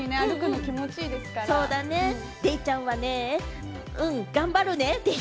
デイちゃんはね、うん、頑張るね。